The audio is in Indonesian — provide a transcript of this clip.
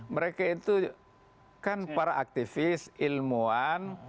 mereka itu kan para aktivis ilmuwan